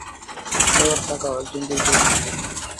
এবার, তাকাও, একজন বীরপুরুষের চোখ দিয়ে।